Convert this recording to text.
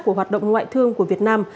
của hoạt động ngoại thương của việt nam